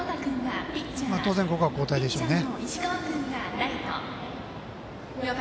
当然、ここは交代でしょうね。